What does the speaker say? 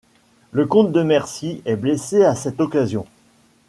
Le comte de Mercy est blessé à cette occasion.